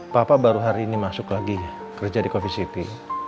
papa baru hari ini masuk lagi kerja di covisity